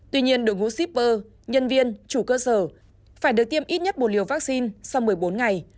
tuy nhiên đội ngũ shipper nhân viên chủ cơ sở phải được tiêm ít nhất một liều vaccine sau một mươi bốn ngày